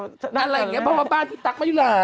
น่าจะน่าเทอร์เรสอะไรอย่างนี้เพราะว่าบ้านพี่ตั๊กมายุหลา